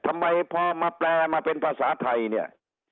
ทำไมพอมาแปลมาเป็นภาษาไทยเนี่ย